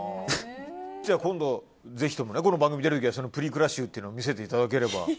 じゃあ今度、ぜひともこの番組に出るときはそのプリクラ集を見せていただければ。